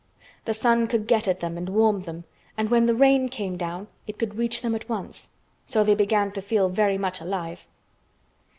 The sun could get at them and warm them, and when the rain came down it could reach them at once, so they began to feel very much alive.